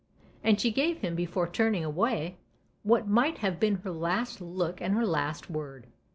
And she gave him, before turning away, what might have been her last look and her last word.